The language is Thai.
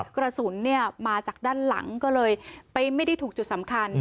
กระสุนมาจากด้านหลังก็เลยไม่ได้ถูกจุดสำคัญ